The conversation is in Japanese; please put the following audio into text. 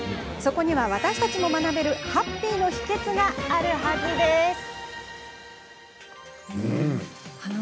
そこには私たちも学べるハッピーの秘けつがあるはずです。